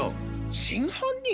真犯人？